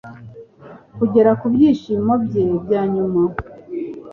kugera ku byishimo bye byanyuma